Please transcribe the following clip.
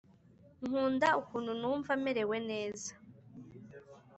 nkunda ukuntu numva merewe neza nawe.